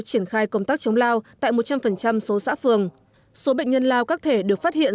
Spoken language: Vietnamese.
triển khai công tác chống lao tại một trăm linh số xã phường số bệnh nhân lao các thể được phát hiện